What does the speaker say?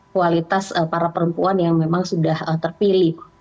kualitas para perempuan yang memang sudah terpilih